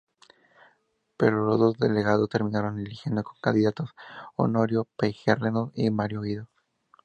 Pero los delegados terminaron eligiendo como candidatos a Honorio Pueyrredón y Mario Guido.